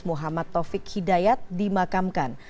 muhammad taufik hidayat dimakamkan